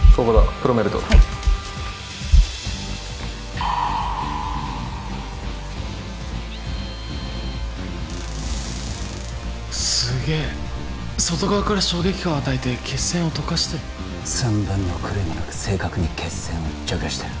プロメルトはいすげえ外側から衝撃波を与えて血栓を溶かしてる寸分の狂いもなく正確に血栓を除去してる